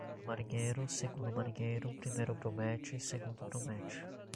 Primeiro-Marinheiro, Segundo-Marinheiro, Primeiro-Grumete, Segundo-Grumete